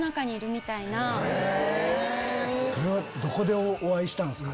それはどこでお会いしたんですか？